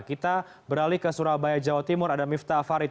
kita beralih ke surabaya jawa timur ada miftah farid